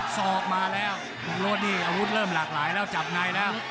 ศอกมาแล้วคุณรถนี่อาวุธเริ่มหลากหลายแล้วจับในแล้ว